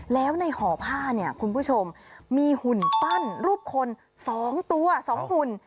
แล้วในห่อผ้าเนี่ยคุณผู้ชมมีหุ่นปั้นรูปคน๒ตัว๒หุ่น